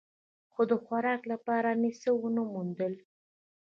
خو د خوراک لپاره مې څه و نه موندل.